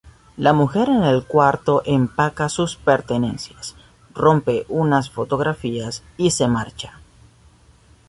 La mujer en el cuarto empaca sus pertenencias, rompe unas fotografías y se marcha.